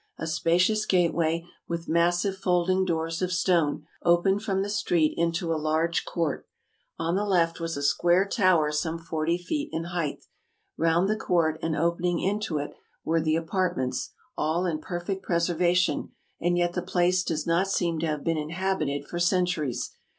A spacious gateway, with massive folding doors of stone, opened from the street into a large court. On the left was a square tower some forty feet in height. Round the court, and opening into it, were the apartments, all in perfect preservation ; and yet the place does not seem to have been inhabited for centuries.